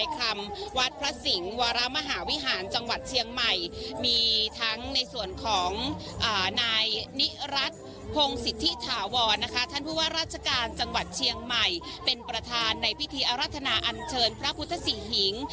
คำว่าราชการจังหวัดเชียงใหม่เป็นประธานในพิธีอรัฐนาอันเชิญพระพุทธศรีหิง